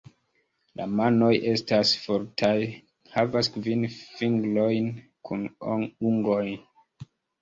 La manoj estas fortaj, havas kvin fingrojn kun ungoj.